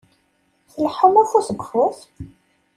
Tleḥḥum afus deg ufus?